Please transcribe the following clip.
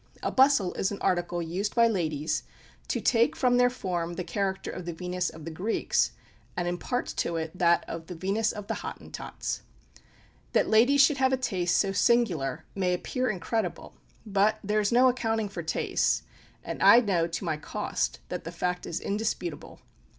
A bustle is an article used by ladies to take from their form the character of the Venus of the Greeks, and impart to it that of the Venus of the Hottentots! That ladies should have a taste so singular, may appear incredible; but there is no accounting for tastes, and I know to my cost that the fact is indisputable.